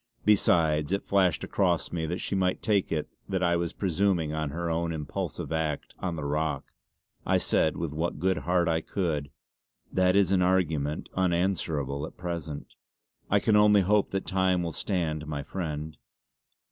Besides it flashed across me that she might take it that I was presuming on her own impulsive act on the rock. I said with what good heart I could: "That is an argument unanswerable, at present. I can only hope that time will stand my friend.